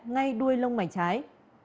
ngay đuôi lông mảnh trái